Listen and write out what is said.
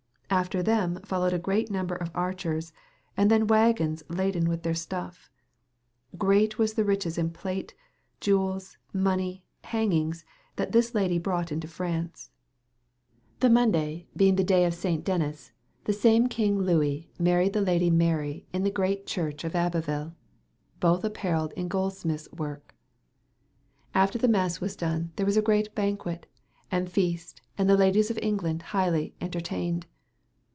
After them folowed a greate nomber of archers and then wagons laden with their stuf. Greate was the riches in plate, iuels, money, and hangynges that this ladye brought into France. The Moday beyng the daye of Sayncte Denyce, the same kynge Leyes maried the lady Mary in the greate church of Abuyle, bothe appareled in goldesmythes woorke. After the masse was done ther was a greate banket and fest and the ladyes of England highly entreteyned.